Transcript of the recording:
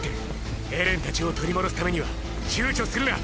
エレンたちを取り戻すためには躊躇するな。